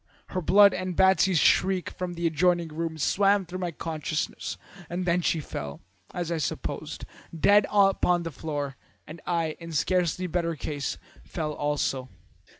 Her blood and Batsy's shriek from the adjoining room swam through my consciousness, and then she fell, as I supposed, dead upon the floor, and I, in scarcely better case, fell also.